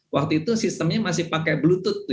waktu itu sistemnya masih pakai bluetooth